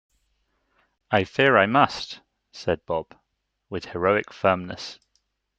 ‘I fear I must,’ said Bob, with heroic firmness.